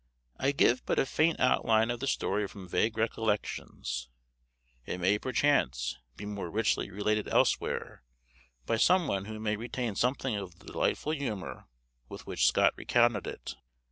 I give but a faint outline of the story from vague recollection; it may, perchance, be more richly related elsewhere, by some one who may retain something of the delightful humor with which Scott recounted it.